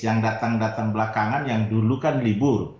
yang datang datang belakangan yang dulu kan libur